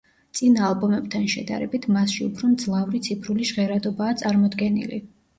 წინა ალბომებთან შედარებით მასში უფრო მძლავრი ციფრული ჟღერადობაა წარმოდგენილი.